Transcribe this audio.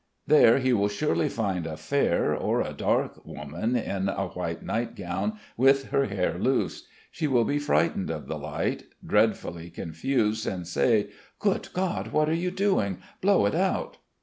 There he will surely find a fair or a dark woman in a white nightgown with her hair loose. She will be frightened of the light, dreadfully confused and say: "Good God! What are you doing? Blow it out!"